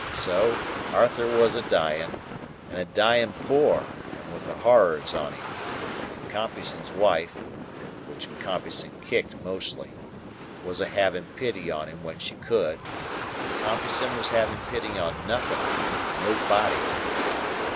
So, Arthur was a dying, and a dying poor and with the horrors on him, and Compeyson's wife (which Compeyson kicked mostly) was a having pity on him when she could, and Compeyson was a having pity on nothing and nobody.